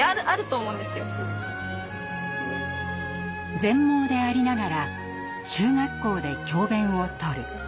全盲でありながら中学校で教べんをとる。